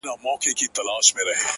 دا مه وايه چي ژوند تر مرگ ښه دی،